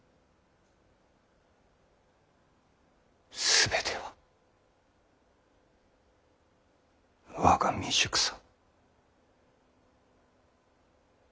全ては我が未熟さ。